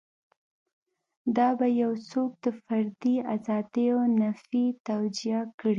دا به یو څوک د فردي ازادیو نفي توجیه کړي.